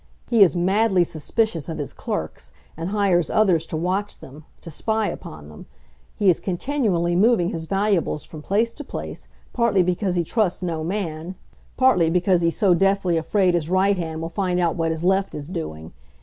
He is madly suspicious of his clerks, and hires others to watch them, to spy upon them. He is continually moving his valuables from place to place, partly because he trusts no man; partly because he's so deathly afraid his right hand will find out what his left is doing.